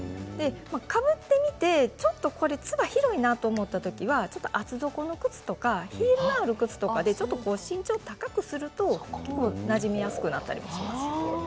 かぶってみて、ちょっとこれつば広いなと思った時は厚底の靴とかヒールのある靴とかで身長を高くするとなじみやすくなったりもします。